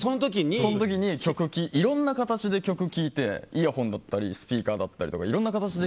その時にいろんな形で曲を聴いてイヤホンだったりスピーカーだったりで。